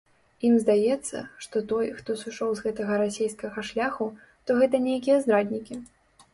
Ім здаецца, што той, хто сышоў з гэтага расейскага шляху, то гэта нейкія здраднікі.